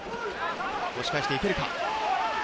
押し返していけるか。